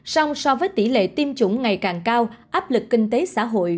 song so với tỷ lệ tiêm chủng ngày càng cao áp lực kinh tế xã hội